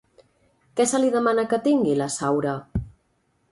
Què se li demana que tingui, la Saura?